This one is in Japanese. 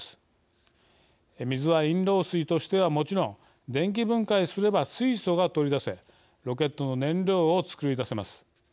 水は飲料水としてはもちろん電気分解すれば水素が取り出せロケットの燃料を作り出せます。